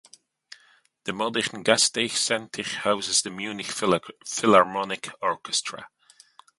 The modern "Gasteig" centre houses the Munich Philharmonic Orchestra.